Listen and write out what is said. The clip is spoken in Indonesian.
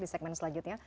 di segmen selanjutnya